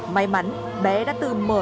may mắn bé đã từ mở được cơ sở